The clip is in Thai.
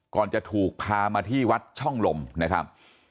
ก่อนจะถูกพามาที่วัดช่องลมนะครับ